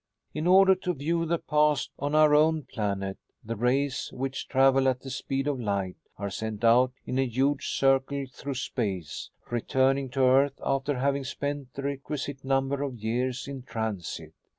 "In order to view the past on our own planet, the rays, which travel at the speed of light, are sent out in a huge circle through space, returning to earth after having spent the requisite number of years in transit.